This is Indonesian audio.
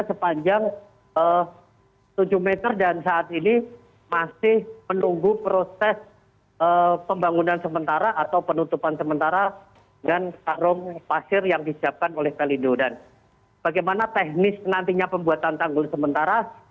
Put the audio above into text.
sepanjang tujuh meter dan saat ini masih menunggu proses pembangunan sementara atau penutupan sementara dan karung pasir yang disiapkan oleh pelindo dan bagaimana teknis nantinya pembuatan tanggul sementara